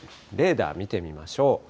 レーダー見てみましょう。